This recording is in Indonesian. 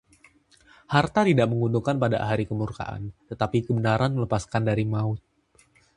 Harta tidak menguntungkan pada hari kemurkaan, tetapi kebenaran melepaskan dari maut.